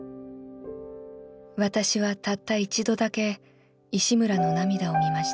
「私はたった一度だけ石村の涙を見ました。